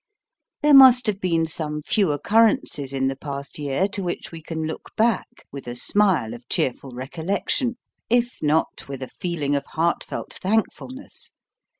There must have been some few occurrences in the past year to which we can look back, with a smile of cheerful recollection, if not with a feeling of heartfelt thankfulness.